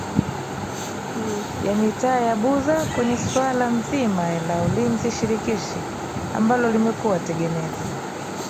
ya mitaa ya Buza kwenye suala nzima la Ulinzi shirikishi ambalo limekuwa tegemezi